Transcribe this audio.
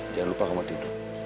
jangan lupa kamu tidur